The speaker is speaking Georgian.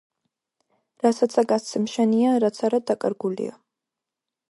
რასაცა გასცემ შენია, რაც არა, დაკარგულია!“